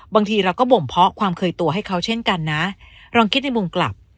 บางทีเราก็บ่มเพาะความเคยตัวให้เขาเช่นกันนะลองคิดในมุมกลับ